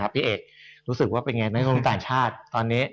พี่เอกรู้สึกว่าเป็นยังไงในโลกต่างชาติตอนนี้